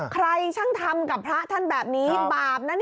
ใครช่างทำกับพระท่านแบบนี้บาปนะ